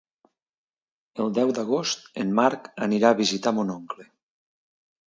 El deu d'agost en Marc anirà a visitar mon oncle.